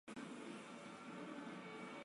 卡拉瓦亚语是一种混合语言。